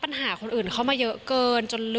เพราะว่ามีเพื่อนซีอย่างน้ำชาชีระนัทอยู่เคียงข้างเสมอค่ะ